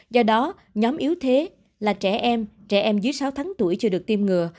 do đó nhóm yếu thế là trẻ em trẻ em dưới sáu tháng tuổi chưa được tiêm ngừa